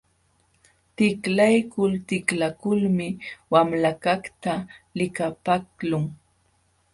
Tiklaykul tiklaykulmi wamlakaqta likapaqlun.